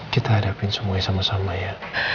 kita hadapin semuanya sama sama ya